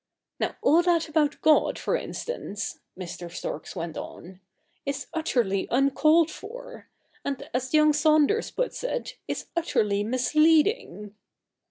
' Now, all that about God, for instance,' Mr. Storks went on, ' is utterly uncalled for ; and, as young Saunders puts it, is utterly misleading.'